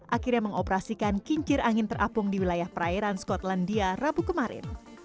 akhirnya mengoperasikan kincir angin terapung di wilayah perairan skotlandia rabu kemarin